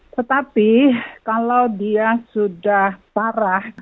tetapi kalau dia sudah parah